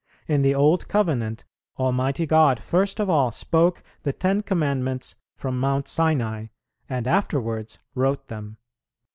In the Old Covenant, Almighty God first of all spoke the Ten Commandments from Mount Sinai, and afterwards wrote them.